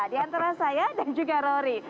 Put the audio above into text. diantara saya dan juga rory